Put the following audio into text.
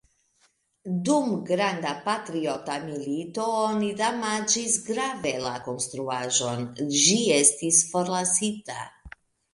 Dum Granda patriota milito oni damaĝis grave la konstruaĵon, ĝi restis forlasita.